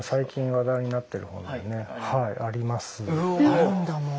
あるんだもう。